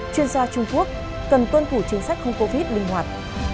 chuyên gia trung quốc cần tuân thủ chính sách không covid linh hoạt